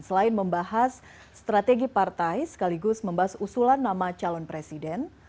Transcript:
selain membahas strategi partai sekaligus membahas usulan nama calon presiden